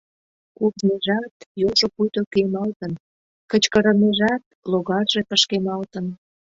Куржнежат — йолжо пуйто кӱэмалтын; кычкырынежат — логарже пышкемалтын.